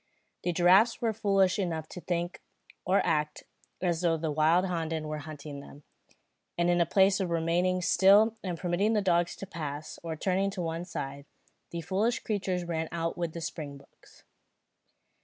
The giraffes were foolish enough to think, or act, as though the wilde honden were hunting them; and in place of remaining still and permitting the dogs to pass, or turning to one side, the foolish creatures ran on with the springboks.